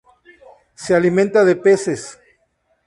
Se alimenta de peces.